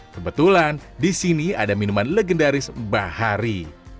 kebetulan di sini ada minuman legendaris bahari